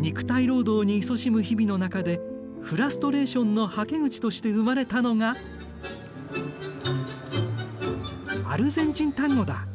肉体労働にいそしむ日々の中でフラストレーションのはけ口として生まれたのがアルゼンチン・タンゴだ。